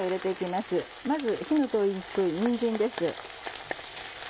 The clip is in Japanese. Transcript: まず火の通りにくいにんじんです。